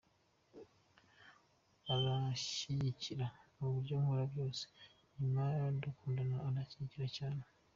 Aranshyigikira mu byo nkora byose, nyuma y’uko dukundana aranshyigikira cyane.”